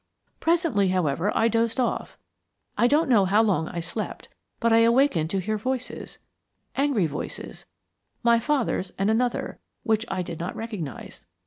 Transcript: "Presently, however, I dozed off. I don't know how long I slept, but I awakened to hear voices angry voices, my father's and another, which I did not recognize.